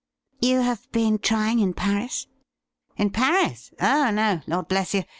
' You have been trying in Paris .?'' In Paris ! Oh no ! Lord bless you !